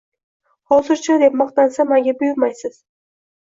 Hozircha, deb maqtansam, aybga buyurmaysiz.